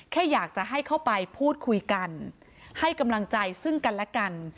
แค่อยากจะให้เข้าไปพูดคุยกันให้กำลังใจซึ่งกันและกัน